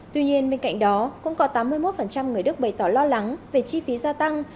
tuy nhiên bên cạnh đó cũng có tám mươi một người đức bày tỏ lo lắng về chi phí gia tăng